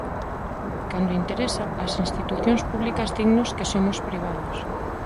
Cando interesa, as institucións públicas dinnos que somos privados.